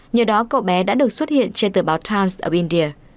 nhờ đó cậu bé đã được xuất hiện trên tờ báo times of india